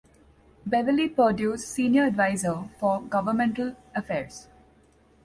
Beverly Perdue's senior adviser for governmental affairs.